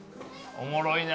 おもろいな。